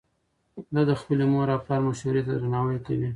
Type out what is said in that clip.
ده د خپلې مور او پلار مشورې ته درناوی کوي.